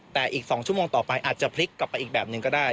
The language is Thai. แต่อีก๒ชั่วโมงต่อไปอาจจะพลิกกลับไปอีกแบบหนึ่งก็ได้